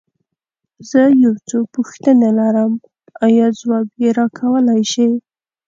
زه يو څو پوښتنې لرم، ايا ځواب يې راکولی شې؟